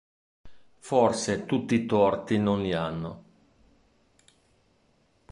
Forse tutti i torti non li hanno.